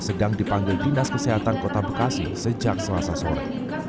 sedang dipanggil dinas kesehatan kota bekasi sejak selasa sore